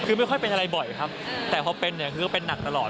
คือไม่ค่อยเป็นอะไรบ่อยครับแต่พอเป็นเนี่ยคือก็เป็นหนักตลอด